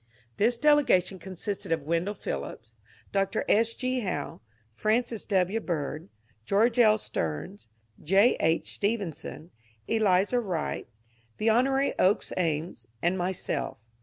This delegation consisted of Wendell Phillips, Dr. S. G. Howe, Francis W. Bird, George L. Steams, J. H. Stephen son, Elizur Wright, the Hon. Oakes Ames, and myself.